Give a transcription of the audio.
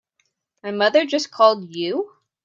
My mother just called you?